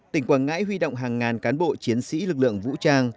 tỉnh quảng ngãi huy động hàng ngàn cán bộ chiến sĩ lực lượng vũ trang